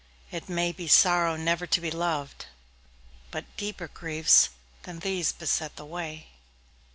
It may be sorrow never to be loved, But deeper griefs than these beset the way.